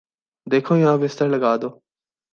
دیکھو یہاں بستر لگادو